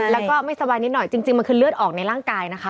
แล้วก็ไม่สบายนิดหน่อยจริงมันคือเลือดออกในร่างกายนะคะ